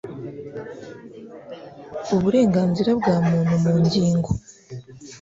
uburenganzira bwa muntu mu ngingo